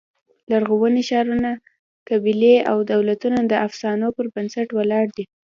لرغوني ښارونه، قبیلې او دولتونه د افسانو پر بنسټ ولاړ دي.